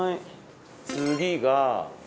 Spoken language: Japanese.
次が。